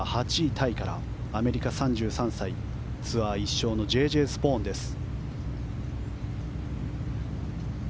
タイからアメリカ３３歳、ツアー１勝のＪ・Ｊ・スポーンです。